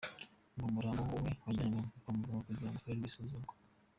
Ngo umurambo we wajyanwe kwa muganga kugirango ukorerwe isuzuma.